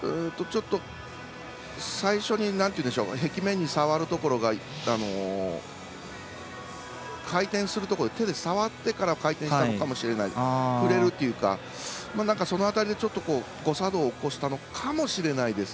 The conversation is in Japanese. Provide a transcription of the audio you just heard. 最初に壁面に触るところが回転するところで手で触ってから回転したのか触れるというかその辺りちょっと誤作動を起こしたのかもしれないです。